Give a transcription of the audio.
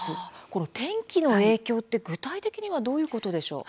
この天気の影響って具体的にはどういうことでしょう。